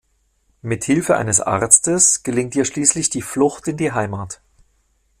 Mit Hilfe eines Arztes gelingt ihr schließlich die Flucht in die Heimat.